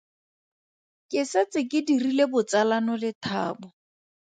Ke setse ke dirile botsalano le Thabo.